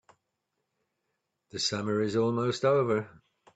The summer is almost over.